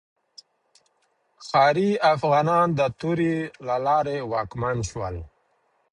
ښاري افغانان د تورې له لارې واکمن شول.